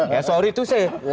ya sorry tuh sih